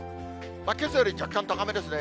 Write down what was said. けさより若干高めですね。